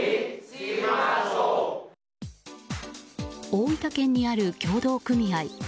大分県にある協同組合。